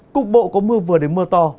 cục bộ có mưa vừa đến mưa to